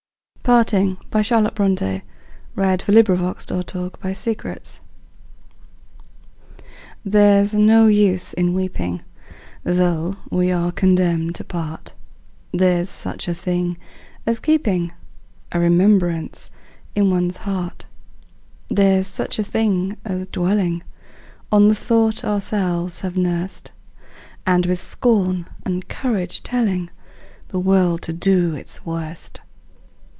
ometimes in thy heart should beat One pulse, still true to me. PARTING. There's no use in weeping, Though we are condemned to part: There's such a thing as keeping A remembrance in one's heart: There's such a thing as dwelling On the thought ourselves have nursed, And with scorn and courage telling The world to do its worst.